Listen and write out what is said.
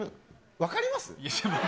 分かります？